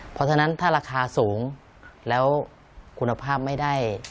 เพราะฉะนั้นถ้าราคาสูงแล้วคุณภาพไม่ได้